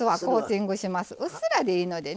うっすらでいいのでね。